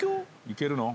いけるの？